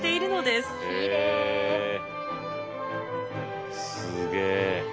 すげえ。